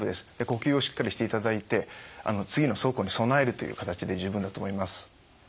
呼吸をしっかりしていただいて次の速歩に備えるという形で十分だと思います。